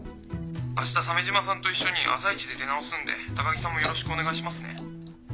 ☎あした鮫島さんと一緒に朝一で出直すんで高木さんもよろしくお願いしますね。